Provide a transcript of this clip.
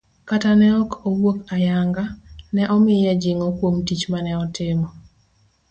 kata ne ok owuok ayanga, ne omiye jing'o kuom tich mane otimo.